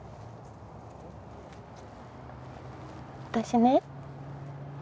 私ね。